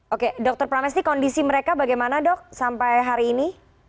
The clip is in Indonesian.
oke dr pramesti kondisi mereka bagaimana dok sampai hari ini